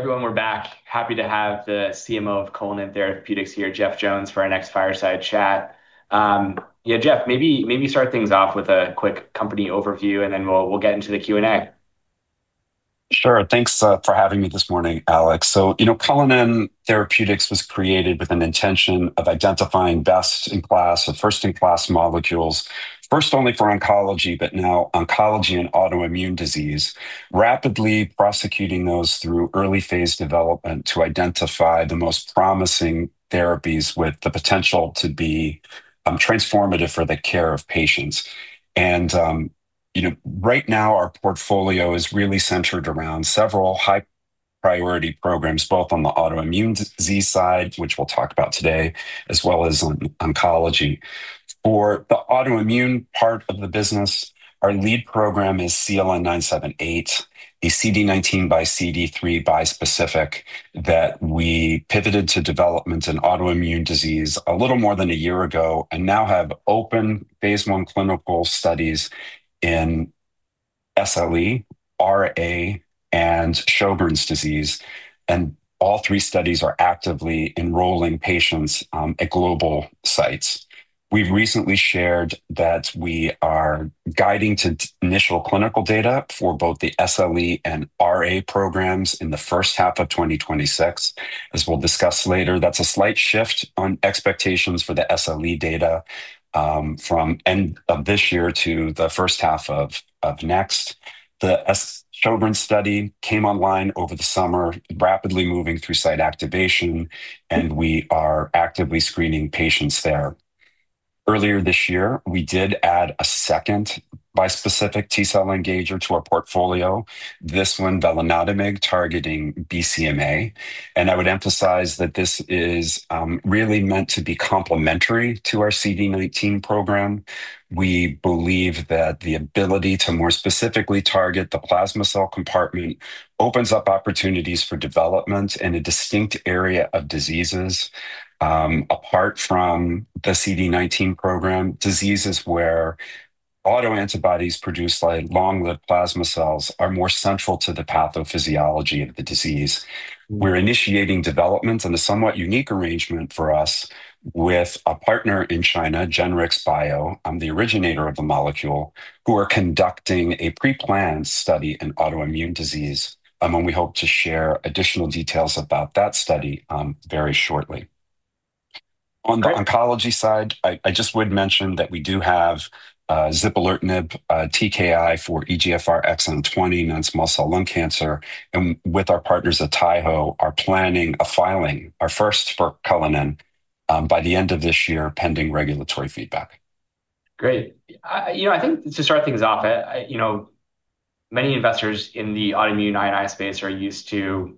Hey everyone, we're back. Happy to have the CMO of Cullinan Therapeutics here, Jeff Jones, for our next fireside chat. Jeff, maybe start things off with a quick company overview and then we'll get into the Q&A. Sure, thanks for having me this morning, Alex. Cullinan Therapeutics was created with an intention of identifying best-in-class, first-in-class molecules, first only for oncology, but now oncology and autoimmune disease, rapidly prosecuting those through early phase development to identify the most promising therapies with the potential to be transformative for the care of patients. Right now our portfolio is really centered around several high priority programs, both on the autoimmune disease side, which we'll talk about today, as well as oncology. For the autoimmune part of the business, our lead program is CLN-978, the CD19 x CD3 bispecific that we pivoted to development in autoimmune disease a little more than a year ago and now have open phase 1 clinical studies in SLE, RA, and Sjogren’s disease. All three studies are actively enrolling patients at global sites. We've recently shared that we are guiding to initial clinical data for both the SLE and RA programs in the first half of 2026, as we'll discuss later. That's a slight shift on expectations for the SLE data, from the end of this year to the first half of next. The Sjogren’s study came online over the summer, rapidly moving through site activation, and we are actively screening patients there. Earlier this year, we did add a second bispecific T cell engager to our portfolio, this one, belanatamab, targeting BCMA. I would emphasize that this is really meant to be complementary to our CD19 program. We believe that the ability to more specifically target the plasma cell compartment opens up opportunities for development in a distinct area of diseases, apart from the CD19 program, diseases where autoantibodies produced by long-lived plasma cells are more central to the pathophysiology of the disease. We're initiating developments in a somewhat unique arrangement for us with a partner in China, Genrix Bio, the originator of the molecule, who are conducting a pre-planned study in autoimmune disease. We hope to share additional details about that study very shortly. On the oncology side, I just would mention that we do have zipalertinib TKI for EGFR exon 20 non-small cell lung cancer. With our partners at Taiho Oncology, we are planning a filing, our first for Cullinan, by the end of this year, pending regulatory feedback. Great. I think to start things off, many investors in the autoimmune space are used to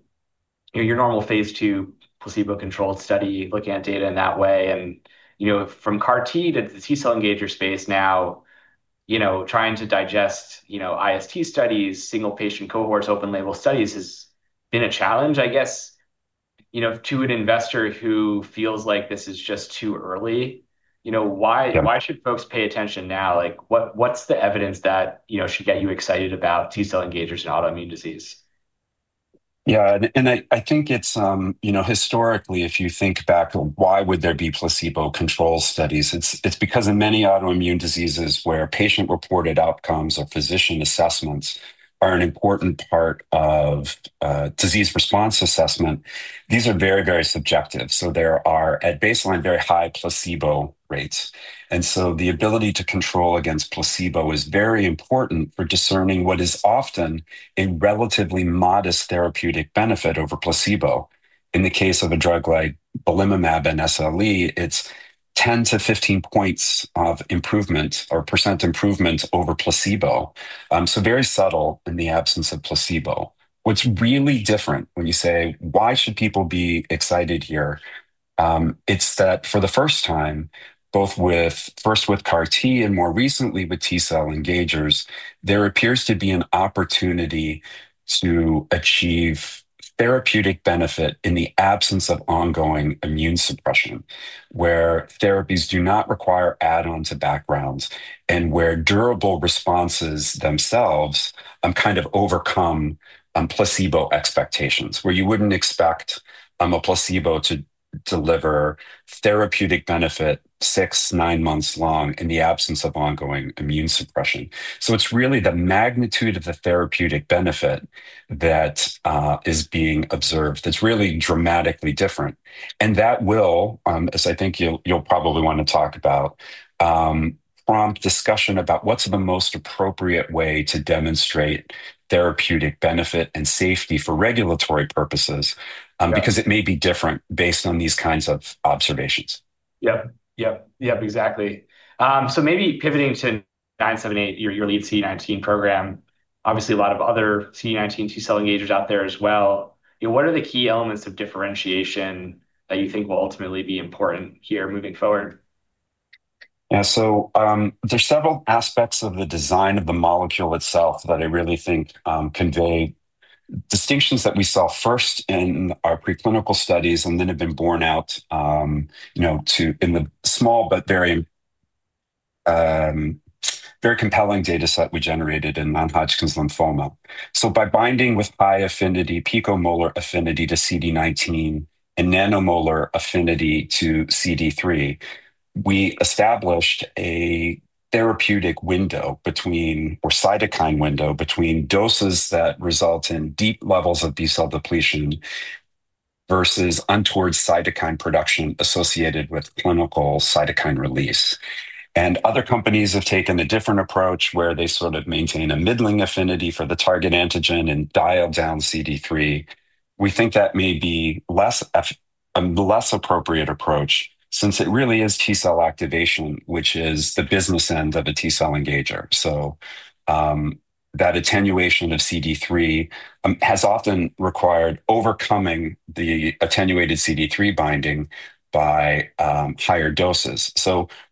your normal phase 2 placebo-controlled study, looking at data in that way. From CAR-T to the T cell engager space now, trying to digest IST studies, single patient cohorts, open label studies has been a challenge. I guess to an investor who feels like this is just too early, why should folks pay attention now? What's the evidence that should get you excited about T cell engagers in autoimmune disease? Yeah, and I think it's historically, if you think back, why would there be placebo-controlled studies? It's because in many autoimmune diseases where patient-reported outcomes or physician assessments are an important part of disease response assessment, these are very, very subjective. There are, at baseline, very high placebo rates. The ability to control against placebo is very important for discerning what is often a relatively modest therapeutic benefit over placebo. In the case of a drug like belimumab in SLE, it's 10%-15% of improvement or percent improvement over placebo. Very subtle in the absence of placebo. What's really different when you say, why should people be excited here? It's that for the first time, both first with CAR-T and more recently with T cell engagers, there appears to be an opportunity to achieve therapeutic benefit in the absence of ongoing immune suppression, where therapies do not require add-on to backgrounds and where durable responses themselves kind of overcome placebo expectations, where you wouldn't expect a placebo to deliver therapeutic benefit six, nine months long in the absence of ongoing immune suppression. It's really the magnitude of the therapeutic benefit that is being observed that's really dramatically different. That will, as I think you'll probably want to talk about, prompt discussion about what's the most appropriate way to demonstrate therapeutic benefit and safety for regulatory purposes, because it may be different based on these kinds of observations. Exactly. Maybe pivoting to CLN-978, your lead CD19 program, obviously a lot of other CD19 T cell engagers out there as well. What are the key elements of differentiation that you think will ultimately be important here moving forward? Yeah, so there's several aspects of the design of the molecule itself that I really think convey distinctions that we saw first in our preclinical studies and then have been borne out in the small but very, very compelling data set we generated in Non-Hodgkin's lymphoma. By binding with high affinity, picomolar affinity to CD19 and nanomolar affinity to CD3, we established a therapeutic window, or cytokine window, between doses that result in deep levels of B cell depletion versus untoward cytokine production associated with clinical cytokine release. Other companies have taken a different approach where they sort of maintain a middling affinity for the target antigen and dial down CD3. We think that may be a less appropriate approach since it really is T cell activation, which is the business end of a T cell engager. That attenuation of CD3 has often required overcoming the attenuated CD3 binding by higher doses.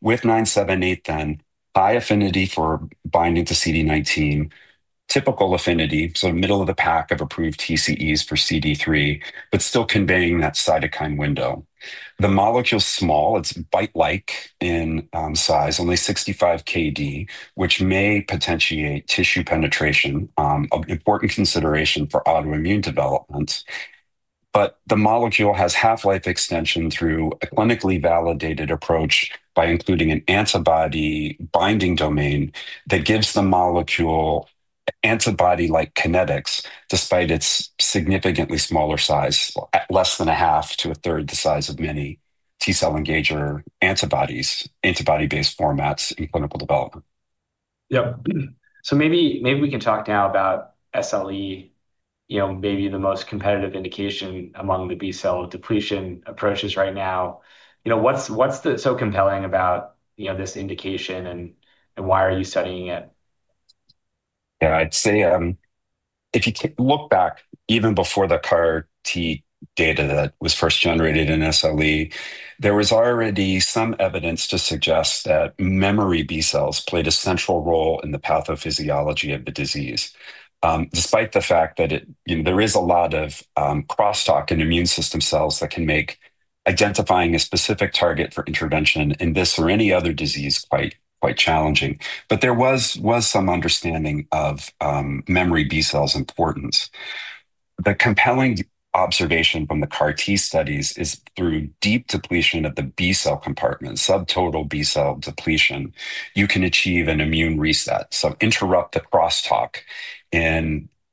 With 978, then, high affinity for binding to CD19, typical affinity, so middle of the pack of approved TCEs for CD3, but still conveying that cytokine window. The molecule is small, it's bite-like in size, only 65 kd, which may potentiate tissue penetration, an important consideration for autoimmune development. The molecule has half-life extension through a clinically validated approach by including an antibody binding domain that gives the molecule antibody-like kinetics, despite its significantly smaller size, less than a half to a third the size of many T cell engager antibody-based formats in clinical development. Maybe we can talk now about SLE, maybe the most competitive indication among the B cell depletion approaches right now. What's so compelling about this indication and why are you studying it? Yeah, I'd say if you take a look back, even before the CAR-T data that was first generated in SLE, there was already some evidence to suggest that memory B cells played a central role in the pathophysiology of the disease. Despite the fact that there is a lot of crosstalk in immune system cells that can make identifying a specific target for intervention in this or any other disease quite challenging, there was some understanding of memory B cells' importance. The compelling observation from the CAR-T studies is through deep depletion of the B cell compartment, subtotal B cell depletion, you can achieve an immune reset, interrupt the crosstalk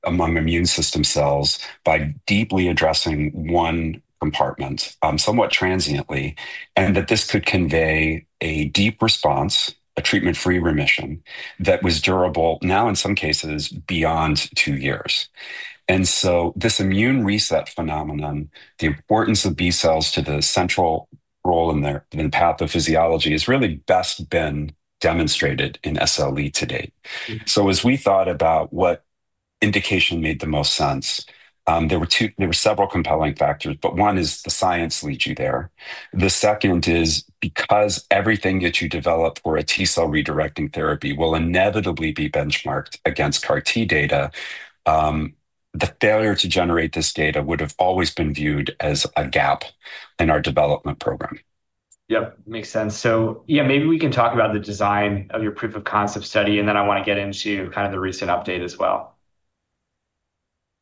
among immune system cells by deeply addressing one compartment somewhat transiently, and that this could convey a deep response, a treatment-free remission that was durable, now in some cases beyond two years. This immune reset phenomenon, the importance of B cells to the central role in their pathophysiology, has really best been demonstrated in SLE to date. As we thought about what indication made the most sense, there were several compelling factors, but one is the science leads you there. The second is because everything that you developed or a T cell redirecting therapy will inevitably be benchmarked against CAR-T data, the failure to generate this data would have always been viewed as a gap in our development program. Makes sense. Maybe we can talk about the design of your proof of concept study, and then I want to get into kind of the recent update as well.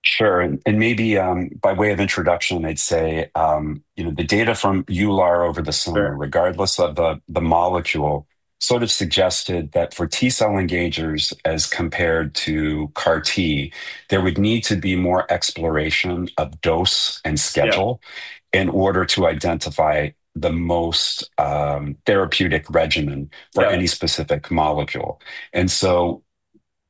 Sure, and maybe by way of introduction, I'd say the data from EULAR over the summer, regardless of the molecule, sort of suggested that for T cell engagers, as compared to CAR-T, there would need to be more exploration of dose and schedule in order to identify the most therapeutic regimen for any specific molecule.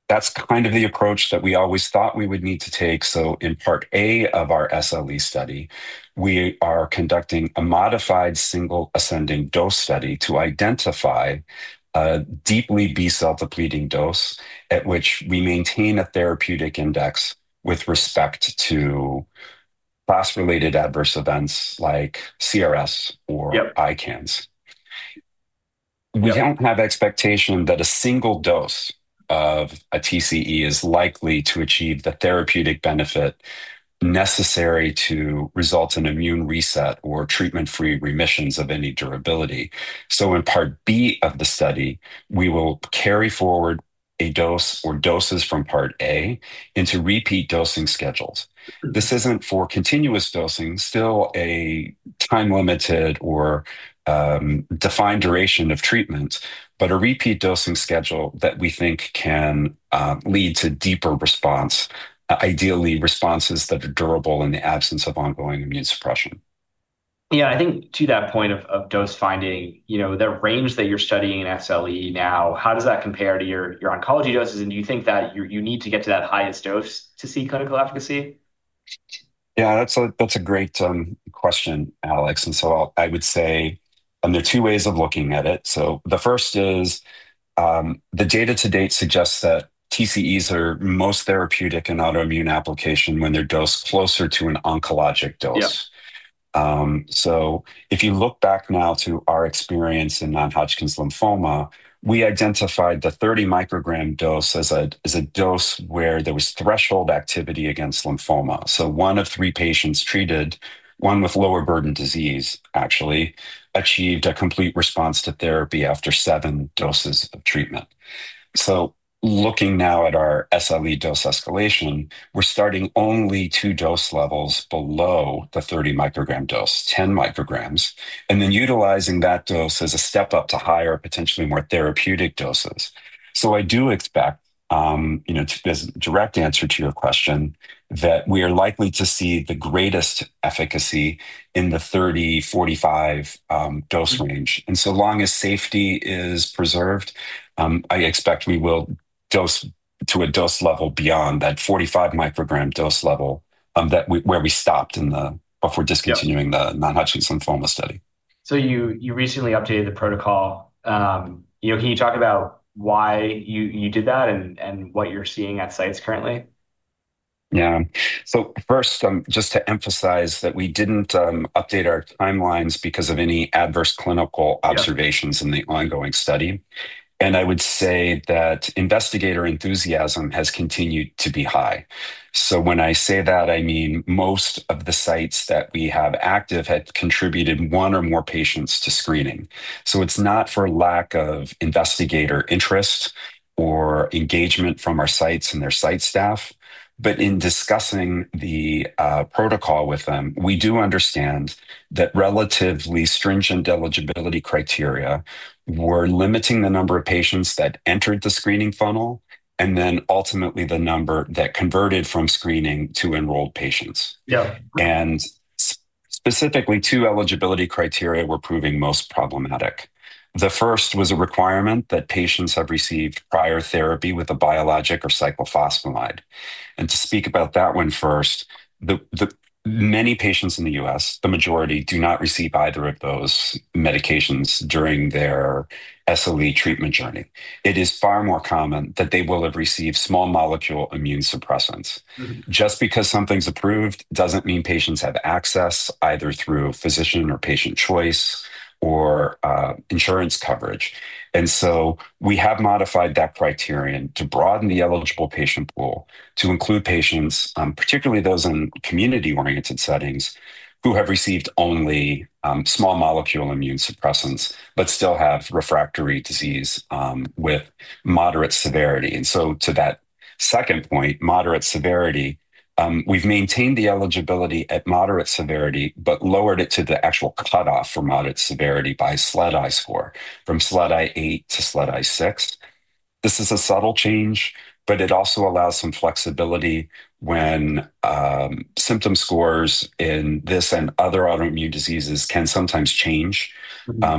That's kind of the approach that we always thought we would need to take. In part A of our SLE study, we are conducting a modified single ascending dose study to identify a deeply B cell depleting dose at which we maintain a therapeutic index with respect to class-related adverse events like CRS or ICANNs. We don't have expectation that a single dose of a TCE is likely to achieve the therapeutic benefit necessary to result in immune reset or treatment-free remissions of any durability. In part B of the study, we will carry forward a dose or doses from part A into repeat dosing schedules. This isn't for continuous dosing, still a time-limited or defined duration of treatment, but a repeat dosing schedule that we think can lead to deeper response, ideally responses that are durable in the absence of ongoing immune suppression. I think to that point of dose finding the range that you're studying in SLE now, how does that compare to your oncology doses? Do you think that you need to get to that highest dose to see clinical efficacy? Yeah, that's a great question, Alex. I would say there are two ways of looking at it. The first is the data to date suggests that TCEs are most therapeutic in autoimmune application when they're dosed closer to an oncologic dose. If you look back now to our experience in non-Hodgkin's lymphoma, we identified the 30 microgram dose as a dose where there was threshold activity against lymphoma. One of three patients treated, one with lower burden disease, actually achieved a complete response to therapy after seven doses of treatment. Looking now at our SLE dose escalation, we're starting only two dose levels below the 30 microgram dose, 10 micrograms, and then utilizing that dose as a step up to higher, potentially more therapeutic doses. I do expect, as a direct answer to your question, that we are likely to see the greatest efficacy in the 30, 45 dose range. As long as safety is preserved, I expect we will dose to a dose level beyond that 45 microgram dose level where we stopped before discontinuing the Non-Hodgkin's lymphoma study. You recently updated the protocol. Can you talk about why you did that and what you're seeing at sites currently? Yeah, first, just to emphasize that we didn't update our timelines because of any adverse clinical observations in the ongoing study. I would say that investigator enthusiasm has continued to be high. When I say that, I mean most of the sites that we have active had contributed one or more patients to screening. It's not for lack of investigator interest or engagement from our sites and their site staff, but in discussing the protocol with them, we do understand that relatively stringent eligibility criteria were limiting the number of patients that entered the screening funnel and ultimately the number that converted from screening to enrolled patients. Yeah. Specifically, two eligibility criteria were proving most problematic. The first was a requirement that patients have received prior therapy with a biologic or cyclophosphamide. To speak about that one first, many patients in the U.S., the majority, do not receive either of those medications during their SLE treatment journey. It is far more common that they will have received small molecule immune suppressants. Just because something's approved doesn't mean patients have access either through physician or patient choice or insurance coverage. We have modified that criterion to broaden the eligible patient pool to include patients, particularly those in community-oriented settings, who have received only small molecule immune suppressants but still have refractory disease with moderate severity. To that second point, moderate severity, we've maintained the eligibility at moderate severity but lowered it to the actual cutoff for moderate severity by SLEDAI score from SLEDAI 8 to SLEDAI 6. This is a subtle change, but it also allows some flexibility when symptom scores in this and other autoimmune diseases can sometimes change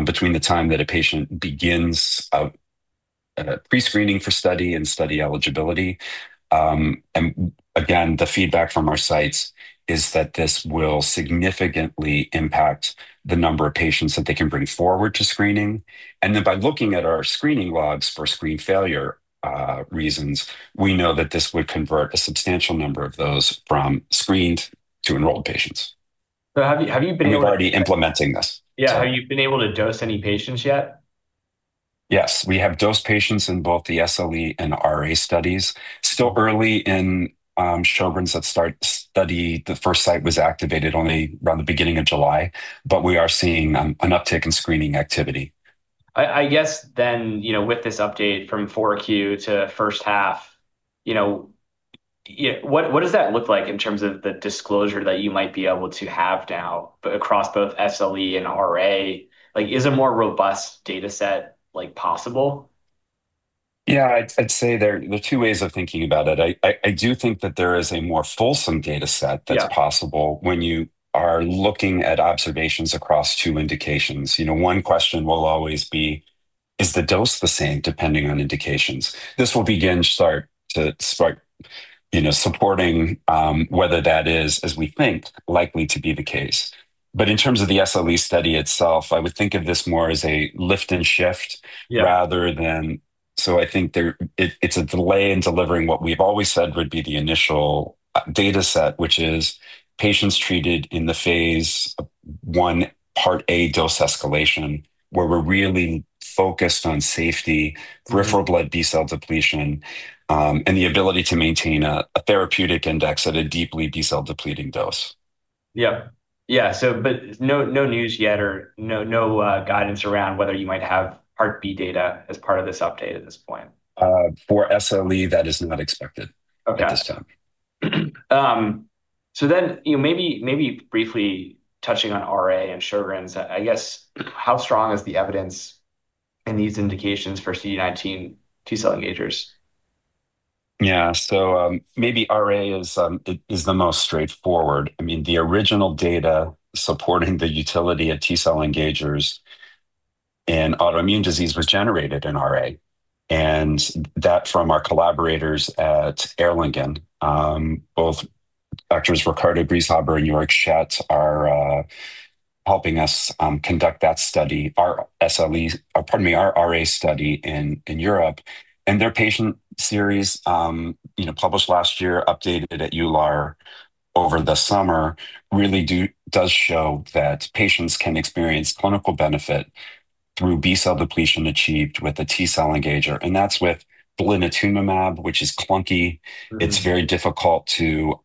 between the time that a patient begins pre-screening for study and study eligibility. The feedback from our sites is that this will significantly impact the number of patients that they can bring forward to screening. By looking at our screening logs for screen failure reasons, we know that this would convert a substantial number of those from screened to enrolled patients. Have you been able to? We're already implementing this. Yeah, have you been able to dose any patients yet? Yes, we have dosed patients in both the SLE and RA studies. It is still early in the Sjogren’s study. The first site was activated only around the beginning of July, but we are seeing an uptick in screening activity. I guess then with this update from 4Q to first half, what does that look like in terms of the disclosure that you might be able to have now across both SLE and RA? Is a more robust data set possible? Yeah, I'd say there are two ways of thinking about it. I do think that there is a more fulsome data set that's possible when you are looking at observations across two indications. One question will always be, is the dose the same depending on indications? This will begin to start supporting whether that is, as we think, likely to be the case. In terms of the SLE study itself, I would think of this more as a lift and shift rather than, I think it's a delay in delivering what we've always said would be the initial data set, which is patients treated in the phase 1 part A dose escalation, where we're really focused on safety, peripheral blood B cell depletion, and the ability to maintain a therapeutic index at a deeply B cell depleting dose. Yeah, so no news yet or no guidance around whether you might have part B data as part of this update at this point. For SLE, that is not expected at this time. You know, maybe briefly touching on RA and Sjogren's, I guess how strong is the evidence in these indications for CD19 T cell engagers? Yeah, so maybe RA is the most straightforward. I mean, the original data supporting the utility of T cell engagers in autoimmune disease was generated in RA. That from our collaborators at Erlangen, both Dr. Ricardo Briessaber and Georg Schett are helping us conduct that study, our RA study in Europe. Their patient series, published last year and updated at EULAR over the summer, really does show that patients can experience clinical benefit through B cell depletion achieved with the T cell engager. That's with belimotumumab, which is clunky. It's very difficult to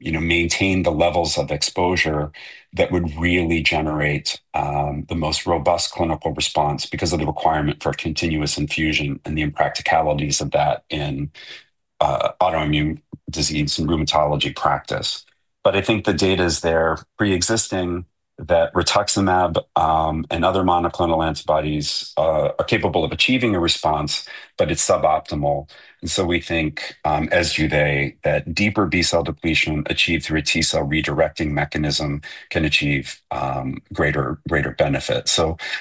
maintain the levels of exposure that would really generate the most robust clinical response because of the requirement for continuous infusion and the impracticalities of that in autoimmune disease and rheumatology practice. I think the data is there pre-existing that rituximab and other monoclonal antibodies are capable of achieving a response, but it's suboptimal. We think, as do they, that deeper B cell depletion achieved through a T cell redirecting mechanism can achieve greater benefit.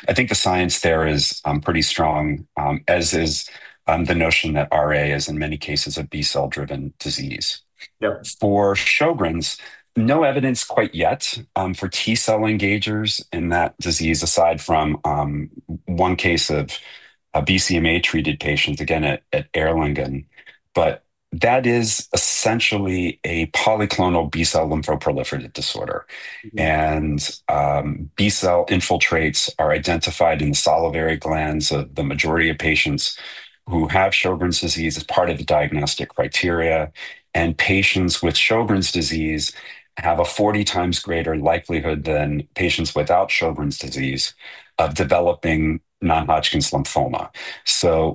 I think the science there is pretty strong, as is the notion that RA is, in many cases, a B cell-driven disease. Yep. For Sjogren’s, no evidence quite yet for T cell engagers in that disease, aside from one case of BCMA-treated patients, again at Erlangen. That is essentially a polyclonal B cell lymphoproliferative disorder. B cell infiltrates are identified in the salivary glands of the majority of patients who have Sjogren’s disease as part of the diagnostic criteria. Patients with Sjogren’s disease have a 40 times greater likelihood than patients without Sjogren’s disease of developing non-Hodgkin’s lymphoma.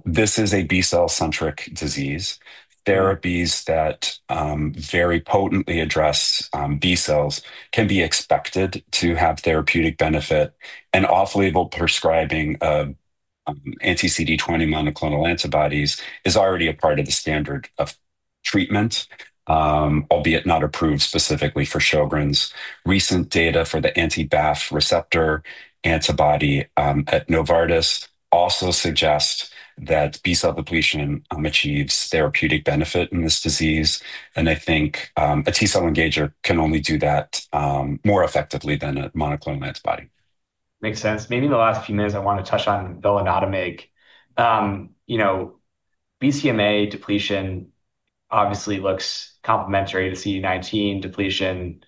This is a B cell-centric disease. Therapies that very potently address B cells can be expected to have therapeutic benefit. Off-label prescribing anti-CD20 monoclonal antibodies is already a part of the standard of treatment, albeit not approved specifically for Sjogren’s. Recent data for the anti-BAF receptor antibody at Novartis also suggests that B cell depletion achieves therapeutic benefit in this disease. I think a T cell engager can only do that more effectively than a monoclonal antibody. Makes sense. Maybe in the last few minutes, I want to touch on belantamab. You know, BCMA depletion obviously looks complementary to CD19 depletion.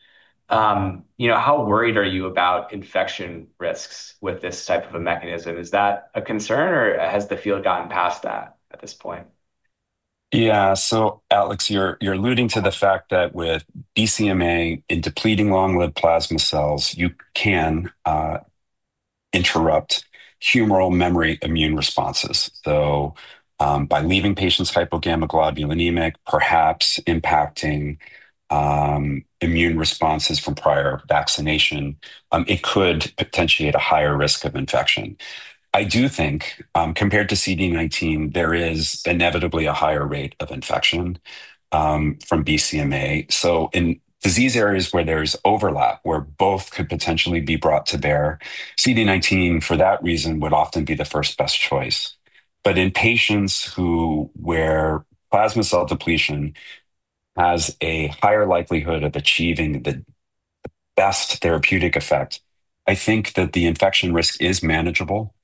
How worried are you about infection risks with this type of a mechanism? Is that a concern or has the field gotten past that at this point? Yeah, so Alex, you're alluding to the fact that with BCMA in depleting long-lived plasma cells, you can interrupt humoral memory immune responses. By leaving patients hypogammaglobulinemic, perhaps impacting immune responses from prior vaccination, it could potentiate a higher risk of infection. I do think compared to CD19, there is inevitably a higher rate of infection from BCMA. In disease areas where there's overlap, where both could potentially be brought to bear, CD19 for that reason would often be the first best choice. In patients where plasma cell depletion has a higher likelihood of achieving the best therapeutic effect, I think that the infection risk is manageable.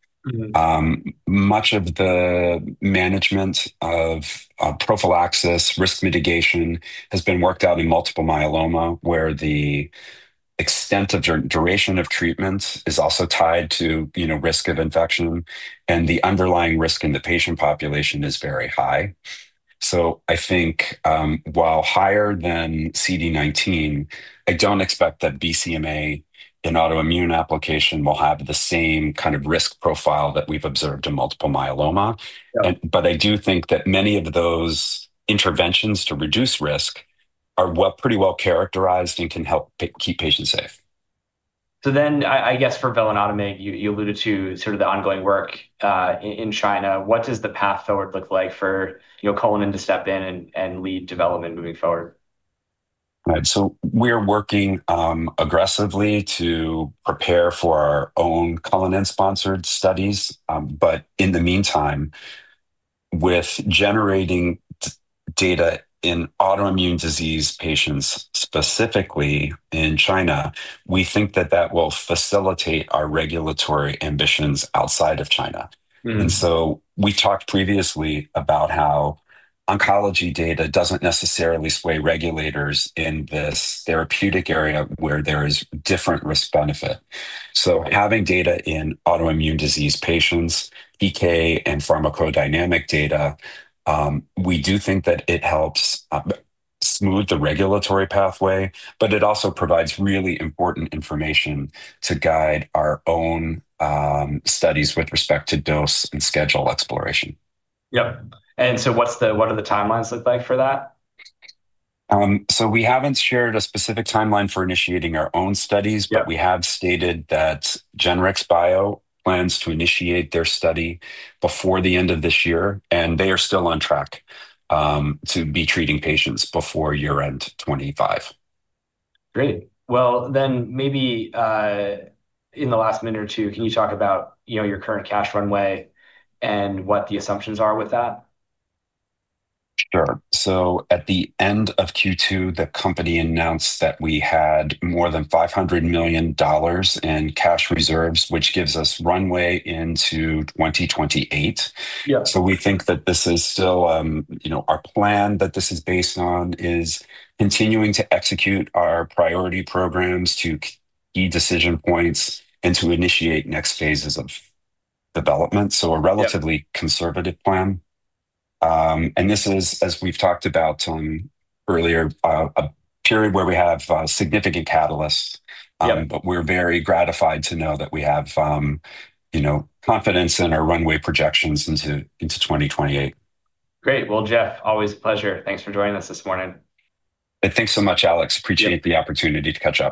Much of the management of prophylaxis, risk mitigation has been worked out in multiple myeloma where the extent of duration of treatment is also tied to risk of infection. The underlying risk in the patient population is very high. While higher than CD19, I don't expect that BCMA in autoimmune application will have the same kind of risk profile that we've observed in multiple myeloma. I do think that many of those interventions to reduce risk are pretty well characterized and can help keep patients safe. I guess for belantamab, you alluded to sort of the ongoing work in China. What does the path forward look like for Cullinan to step in and lead development moving forward? Right, so we're working aggressively to prepare for our own Cullinan-sponsored studies. In the meantime, with generating data in autoimmune disease patients specifically in China, we think that will facilitate our regulatory ambitions outside of China. We talked previously about how oncology data doesn't necessarily sway regulators in this therapeutic area where there is different risk-benefit. Having data in autoimmune disease patients, EK and pharmacodynamic data, we do think that it helps smooth the regulatory pathway, but it also provides really important information to guide our own studies with respect to dose and schedule exploration. Yeah, what do the timelines look like for that? We haven't shared a specific timeline for initiating our own studies, but we have stated that Genrex Bio plans to initiate their study before the end of this year, and they are still on track to be treating patients before year-end 2025. Great, maybe in the last minute or two, can you talk about your current cash runway and what the assumptions are with that? Sure, at the end of Q2, the company announced that we had more than $500 million in cash reserves, which gives us runway into 2028. Yeah. We think that this is still our plan that this is based on, continuing to execute our priority programs to key decision points and to initiate next phases of development. It is a relatively conservative plan. This is, as we've talked about earlier, a period where we have significant catalysts, and we're very gratified to know that we have confidence in our runway projections into 2028. Great, Jeff, always a pleasure. Thanks for joining us this morning. Thanks so much, Alex. Appreciate the opportunity to catch up.